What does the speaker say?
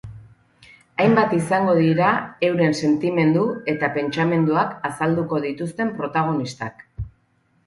Hainbat izango dira euren sentimendu eta pentsamenduak azalduko dituzten protagonistak.